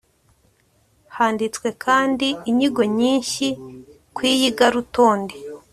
handitswe kandi inyigo nyinshyi ku iyigarutonde